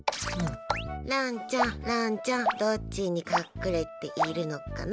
蘭ちゃん、蘭ちゃんどっちに隠れているのかな？